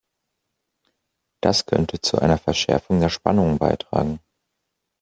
Das könnte zu einer Verschärfung der Spannungen beitragen.